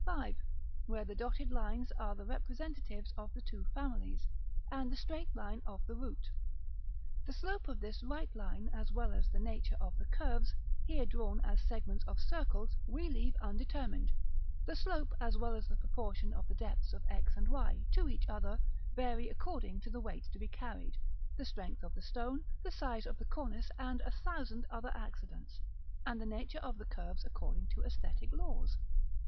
V.; where the dotted lines are the representatives of the two families, and the straight line of the root. The slope of this right line, as well as the nature of the curves, here drawn as segments of circles, we leave undetermined: the slope, as well as the proportion of the depths of X and Y to each other, vary according to the weight to be carried, the strength of the stone, the size of the cornice, and a thousand other accidents; and the nature of the curves according to æsthetic laws.